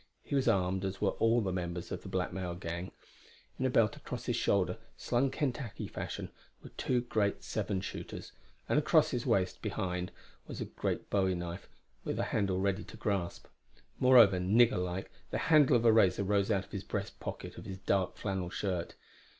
He was armed, as were all the members of the blackmail gang. In a belt across his shoulder, slung Kentucky fashion, were two great seven shooters; and across his waist behind was a great bowie knife, with handle ready to grasp. Moreover, nigger like, the handle of a razor rose out of the breast pocket of his dark flannel shirt.